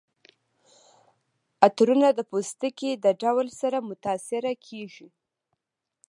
عطرونه د پوستکي د ډول سره متاثره کیږي.